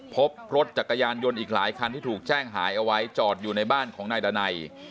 พบรถจักรยานยนต์อีกหลายคันที่ถูกแจ้งหายเอาไว้จอดอยู่ในบ้านของนายดานัย